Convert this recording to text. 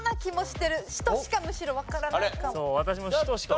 「使徒」しかむしろわからないかも。